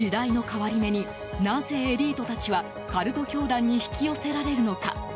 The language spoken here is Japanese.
時代の変わり目になぜエリートたちはカルト教団に引き寄せられるのか？